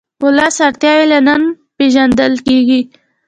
د ولس اړتیاوې له ننه پېژندل کېږي.